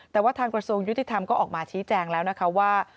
แต่ว่าทางกระทรวงยุติธรรมก็ออกมาชี้แจงแล้วนะคะว่า